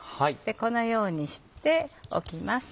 このようにしておきます。